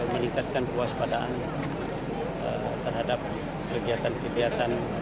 meningkatkan kewaspadaan terhadap kegiatan kegiatan